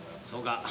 そうか。